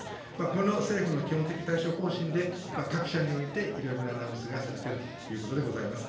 この政府の基本的対処方針で、各社においていろいろなアナウンスがされているということでございます。